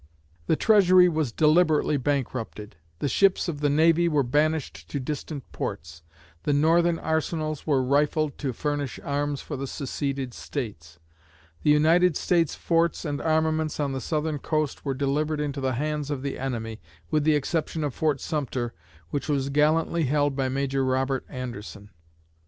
The treasury was deliberately bankrupted; the ships of the navy were banished to distant ports; the Northern arsenals were rifled to furnish arms for the seceded States; the United States forts and armaments on the Southern coast were delivered into the hands of the enemy, with the exception of Fort Sumter, which was gallantly held by Major Robert Anderson.